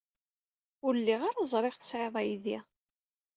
Ur lliɣ ara ẓriɣ tesɛid aydi.